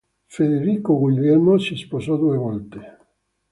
Federico Guglielmo si sposò due volte.